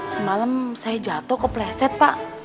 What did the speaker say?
semalam saya jatuh kepleset pak